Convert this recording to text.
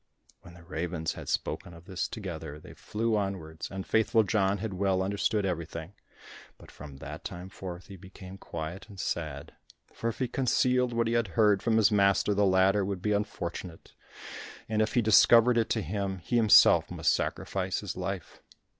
When the ravens had spoken of this together, they flew onwards, and Faithful John had well understood everything, but from that time forth he became quiet and sad, for if he concealed what he had heard from his master, the latter would be unfortunate, and if he discovered it to him, he himself must sacrifice his life.